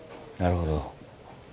なるほど。